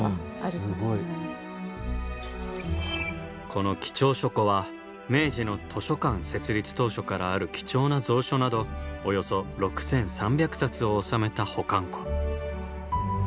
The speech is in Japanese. この「貴重書庫」は明治の図書館設立当初からある貴重な蔵書などおよそ６，３００冊を収めた保管庫。